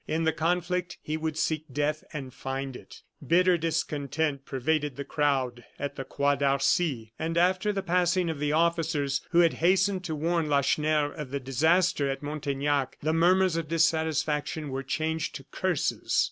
In the conflict he would seek death and find it. Bitter discontent pervaded the crowd at the Croix d'Arcy; and after the passing of the officers, who had hastened to warn Lacheneur of the disaster at Montaignac, the murmurs of dissatisfaction were changed to curses.